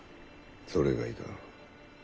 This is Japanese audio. それがいかん。